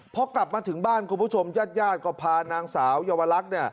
พอกลับมาถึงบ้านคุณผู้ชมญาติญาติก็พานางสาวเยาวลักษณ์